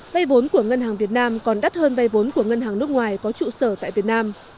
vay vốn của ngân hàng việt nam còn đắt hơn vay vốn của ngân hàng nước ngoài có trụ sở tại việt nam